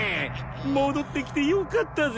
もどってきてよかったぜ。